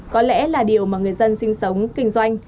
có lẽ là điều mà người dân sinh sống kinh doanh